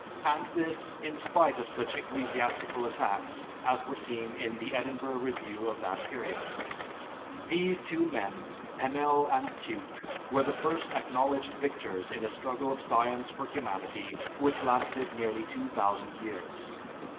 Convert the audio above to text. And this, in spite of such ecclesiastical attacks as were seen in the Edinburgh Review of that period. These two men, Penel and Tuke, were the first acknowledged victors in a struggle of science for humanity which lasted nearly two thousand years.